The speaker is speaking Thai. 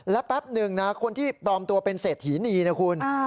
และแป๊บหนึ่งนะคนที่ปลอมตัวเป็นเศรษฐีนีนะคุณ